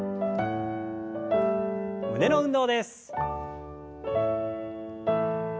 胸の運動です。